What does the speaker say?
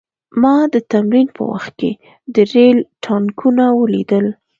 ما د تمرین په وخت کې د ریل ټانکونه ولیدل